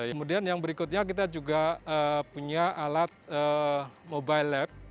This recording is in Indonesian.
kemudian yang berikutnya kita juga punya alat mobile lab